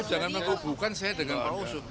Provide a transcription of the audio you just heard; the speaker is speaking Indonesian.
kamu jangan mengkubukan saya dengan paoso